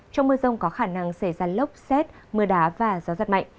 trong mưa rông có khả năng xảy ra lốc xét mưa đá và gió giật mạnh